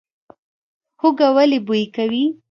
هوږه ولې بوی کوي؟